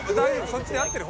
そっちで合ってる？